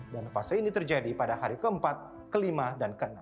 dan fase ini terjadi pada hari keempat kelima dan kelima